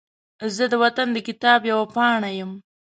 زه د وطن د کتاب یوه پاڼه یم